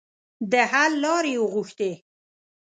د حل لارې یې وغوښتې.